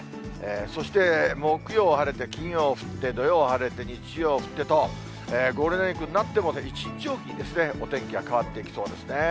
そして木曜晴れて、金曜降って、土曜晴れて、日曜降ってと、ゴールデンウィークになっても１日置きにお天気が変わっていきそうですね。